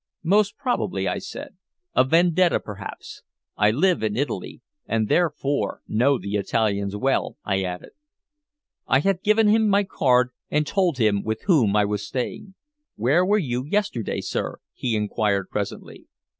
"Most probably," I said. "A vendetta, perhaps. I live in Italy, and therefore know the Italians well," I added. I had given him my card, and told him with whom I was staying. "Where were you yesterday, sir?" he inquired presently.